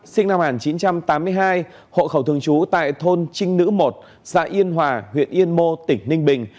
sinh năm một nghìn chín trăm tám mươi hai hộ khẩu thường trú tại thôn trinh nữ một xã yên hòa huyện yên mô tỉnh ninh bình